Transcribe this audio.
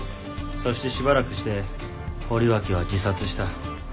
そしてしばらくして堀脇は自殺した。